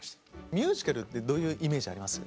ミュージカルってどういうイメージあります？